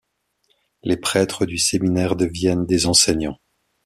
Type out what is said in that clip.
Les prêtres du Séminaire deviennent des enseignants.